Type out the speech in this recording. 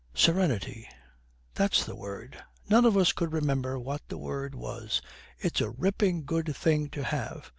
'Serenity, that's the word! None of us could remember what the word was. It's a ripping good thing to have.